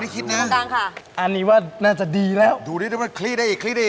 จริงหรือจริงหรืออย่าบอกนะ